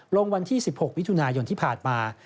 ลงวันที่๑๖มิถุนายนที่ผ่านมา